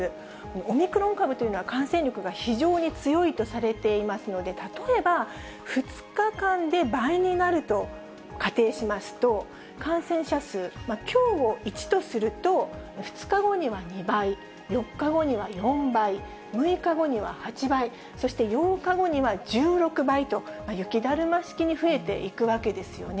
オミクロン株というのは、感染力が非常に強いとされていますので、例えば２日間で倍になると仮定しますと、感染者数、きょうを１とすると、２日後には２倍、４日後には４倍、６日後には８倍、そして８日後には１６倍と、雪だるま式に増えていくわけですよね。